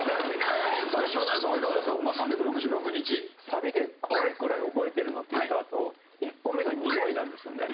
サビで「恐いくらい覚えているの」って言ったあと１個目が「匂い」なんですよね。